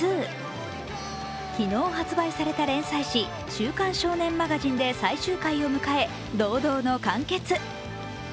昨日発売された連載誌「週刊少年マガジン」で最終回を迎え、堂々の完結。